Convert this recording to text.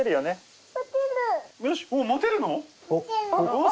おっ！